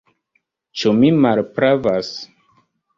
Ĉu mi malpravas?